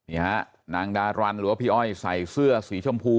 นี่ฮะนางดารันหรือว่าพี่อ้อยใส่เสื้อสีชมพู